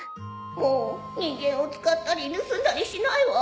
もう人間を使ったり盗んだりしないわ。